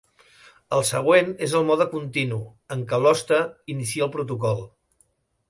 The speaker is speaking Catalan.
El següent és el mode continu, en què l'hoste inicia el protocol.